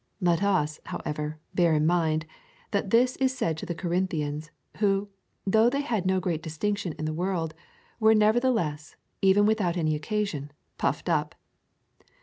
Let us, however, bear in mind, that this is said to the Corinthians, who, though they had no great distinction in the world, were nevertheless, even without any occasion, pufled up.